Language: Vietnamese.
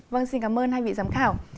vâng xin cảm ơn hai vị giám khảo